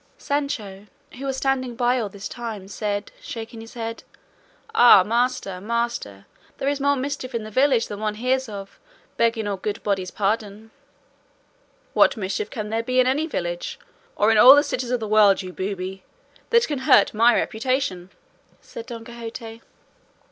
Sancho, who was standing by all the time, said, shaking his head, "Ah! master, master, there is more mischief in the village than one hears of, begging all good bodies' pardon." "What mischief can there be in any village, or in all the cities of the world, you booby, that can hurt my reputation?" said Don Quixote.